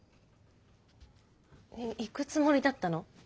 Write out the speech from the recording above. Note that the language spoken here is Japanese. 行くつもりだったの？